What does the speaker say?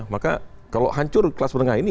maka kalau hancur kelas menengah ini